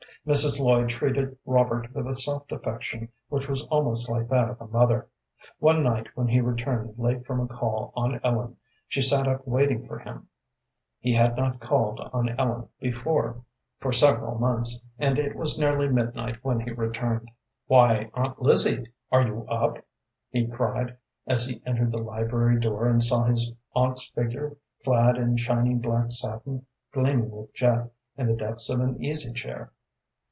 Mrs. Lloyd treated Robert with a soft affection which was almost like that of a mother. One night, when he returned late from a call on Ellen, she sat up waiting for him. He had not called on Ellen before for several months, and it was nearly midnight when he returned. "Why, Aunt Lizzie, are you up?" he cried, as he entered the library door and saw his aunt's figure, clad in shining black satin, gleaming with jet, in the depths of an easy chair.